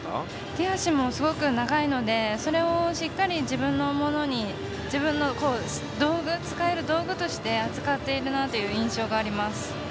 手足も、すごく長いのでそれをしっかり自分の使える道具として扱っているなという印象があります。